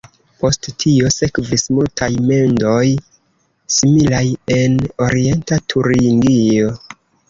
Post tio sekvis multaj mendoj similaj en Orienta Turingio.